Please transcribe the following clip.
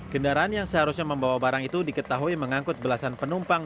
kendaraan yang seharusnya membawa barang itu diketahui mengangkut belasan penumpang